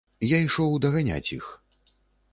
Я ішоў даганяць іх.